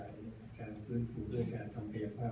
แต่ที่เรียนได้ทราบก็จะนำนี้ถึงทุกวันต้องเห็นชักขึ้นทุกวัน